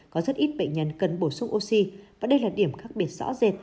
có rất ít bệnh nhân cần bổ sung oxy và đây là điểm khác biệt rõ rệt